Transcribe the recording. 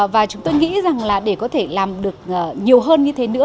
và chúng tôi nghĩ rằng là để có thể làm được nhiều hơn như thế nữa